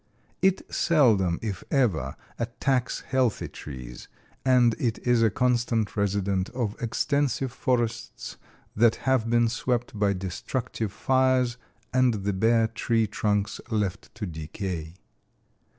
It seldom, if ever, attacks healthy trees and it is a constant resident of extensive forests that have been swept by destructive fires and the bare tree trunks left to decay.